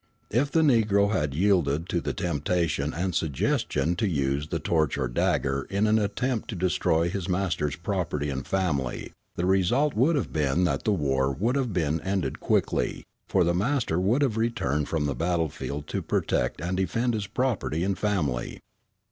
If the Negro had yielded to the temptation and suggestion to use the torch or dagger in an attempt to destroy his master's property and family, the result would have been that the war would have been ended quickly; for the master would have returned from the battlefield to protect and defend his property and family.